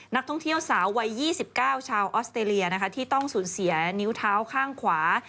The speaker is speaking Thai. นักท่องเที่ยวสาววัย๒๙ชาวออสเตรเลียนะคะที่ต้องสูญเสียนิ้วเท้าข้างขวา